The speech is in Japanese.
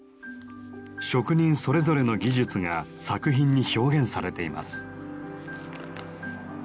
職人それぞれの技術が作品に表現されています。